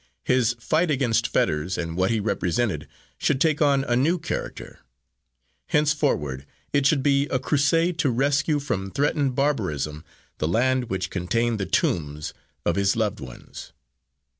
His fight against Fetters and what he represented should take on a new character; henceforward it should be a crusade to rescue from threatened barbarism the land which contained the tombs of his loved ones.